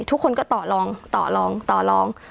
ทุกคนก็ต่อลองต่อลองต่อลอง